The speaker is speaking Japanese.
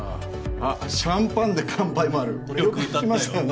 あっ「シャンパンで乾杯」もあるよく歌ったよ